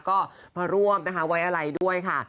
ก็มาร่วมนะคะไว้อะไรด้วยค่ะ